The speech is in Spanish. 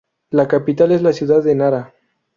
La capital es la ciudad de Nara.